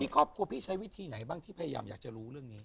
ครอบครัวพี่ใช้วิธีไหนบ้างที่พยายามอยากจะรู้เรื่องนี้